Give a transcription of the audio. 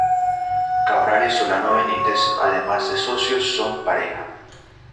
Cabral y Solano Benítez, además de socios son pareja.